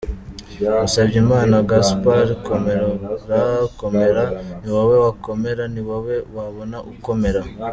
Musabyimana Gaspard: Komera komera ni wowe wakomera, ni wowe wabona ukomera.